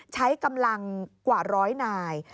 ใช้กำลังกว่าร้อยนาย